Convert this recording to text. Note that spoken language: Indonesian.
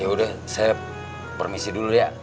ya udah saya permisi dulu ya